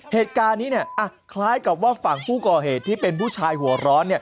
เหตุการณ์นี้คล้ายกับว่าฝั่งผู้ก่อเหตุที่เป็นผู้ชายหัวร้อน